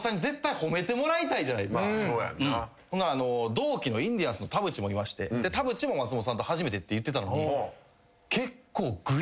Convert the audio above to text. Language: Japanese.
同期のインディアンスの田渕もいまして田渕も松本さんと初めてって言ってたのに。